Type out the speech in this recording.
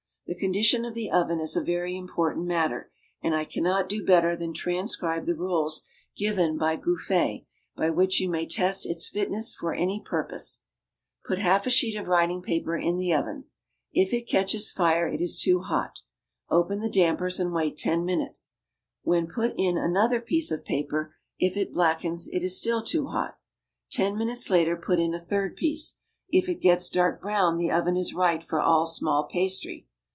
The condition of the oven is a very important matter, and I cannot do better than transcribe the rules given by Gouffé, by which you may test its fitness for any purpose: Put half a sheet of writing paper in the oven; if it catches fire it is too hot; open the dampers and wait ten minutes, when put in another piece of paper; if it blackens it is still too hot. Ten minutes later put in a third piece; if it gets dark brown the oven is right for all small pastry.